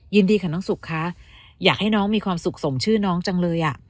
ยินดีค่ะน้องสุกคะอยากให้น้องมีความสุขสมชื่อน้องจังเลย